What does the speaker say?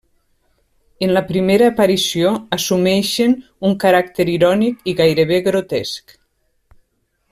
En la primera aparició assumeixen un caràcter irònic i gairebé grotesc.